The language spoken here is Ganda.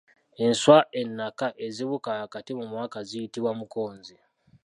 Enswa ennaka ezibuuka wakati mu mwaka ziyitibwa mukonzi.